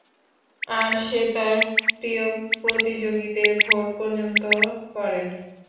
আর সে তার প্রিয় প্রতিযোগীদের ভোট পর্যন্ত করে।